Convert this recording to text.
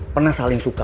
pernah saling suka